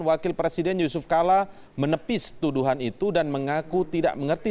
wakil presiden yusuf kala menepis tuduhan itu dan mengaku tidak mengerti